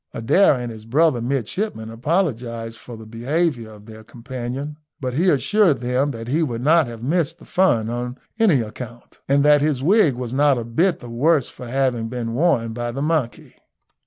Adair and his brother midshipmen apologised for the behaviour of their companion, but he assured them that he would not have missed the fun on any account, and that his wig was not a bit the worse for having been worn by the monkey.